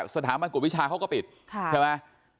สถาบันกฎวิชาเขาก็ปิดใช่ไหม